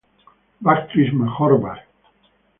Bactris major var.